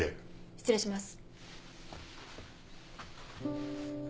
失礼します。